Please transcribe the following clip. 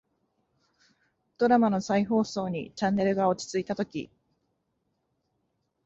ドラマの再放送にチャンネルが落ち着いたとき、